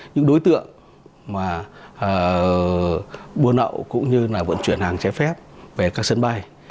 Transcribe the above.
những đối tượng buôn nậu cũng như vận chuyển hàng chế phép về các sân bay